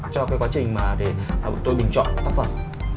cho quá trình để tôi bình chọn tác phẩm